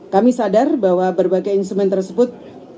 kami sadar bahwa berbagai instrumen tersebut